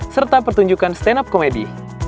serta pertunjukan stand up komedi